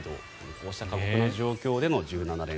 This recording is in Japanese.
こうした過酷な状況での１７連戦。